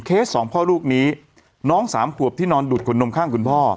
สองพ่อลูกนี้น้องสามขวบที่นอนดูดขนนมข้างคุณพ่อ